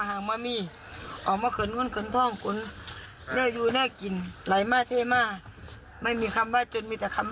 เอาไว้ขนเงินขนท่องก็มีคำว่าจน